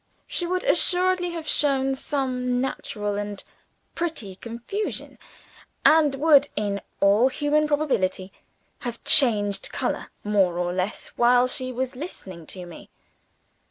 She would assuredly have shown some natural and pretty confusion, and would, in all human probability, have changed color more or less while she was listening to me.